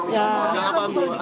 yang apa bu